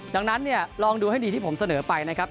ดังนั้นเนี่ยลองดูให้ดีที่ผมเสนอไปนะครับ